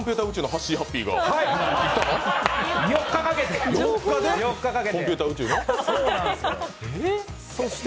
４日かけて。